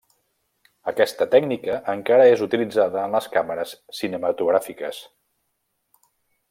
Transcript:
Aquesta tècnica encara és utilitzada en les càmeres cinematogràfiques.